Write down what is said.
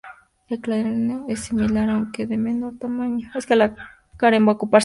El cráneo es similar, aunque de menor tamaño.